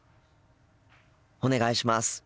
お願いします。